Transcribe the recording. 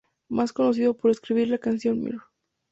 Más conocido por escribir la canción "Mr.